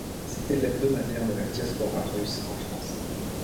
C’était l’hebdomadaire de la diaspora russe en France.